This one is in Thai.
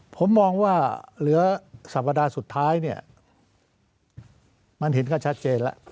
ผมมองว่าเหลือสัปดาห์สุดท้ายเนี่ยมันเห็นก็ชัดเจนแล้ว